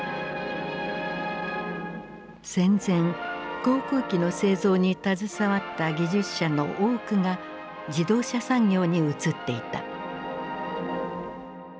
戦前航空機の製造に携わった技術者の多くが自動車産業に移っていた。